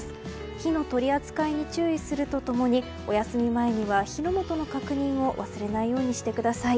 火の取り扱いに注意すると共におやすみ前には火の元の確認を忘れないようにしてください。